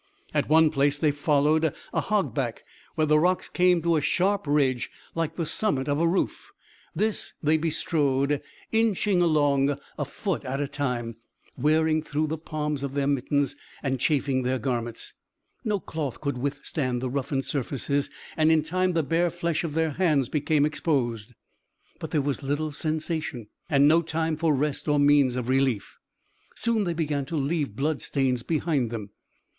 At one place they followed a hog back, where the rocks came to a sharp ridge like the summit of a roof, this they bestrode, inching along a foot at a time, wearing through the palms of their mittens and chafing their garments. No cloth could withstand the roughened surfaces, and in time the bare flesh of their hands became exposed, but there was little sensation, and no time for rest or means of relief. Soon they began to leave blood stains behind them.